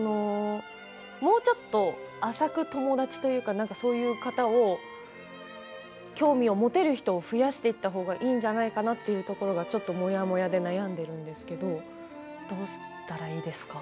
もうちょっと浅く友達というかそういう方を興味を持てる人を増やしていったほうがいいんじゃないかなというところがちょっとモヤモヤで悩んでいるんですけどどうしたらいいですか。